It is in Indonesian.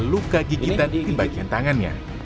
luka gigitan di bagian tangannya